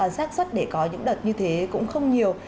rác xuất để có những đợt như thế cũng không nhiều